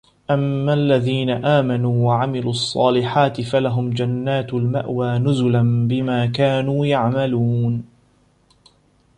أَمَّا الَّذينَ آمَنوا وَعَمِلُوا الصّالِحاتِ فَلَهُم جَنّاتُ المَأوى نُزُلًا بِما كانوا يَعمَلونَ